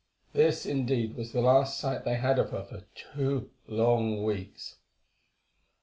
This, indeed, was the last sight they had of her for two long weeks.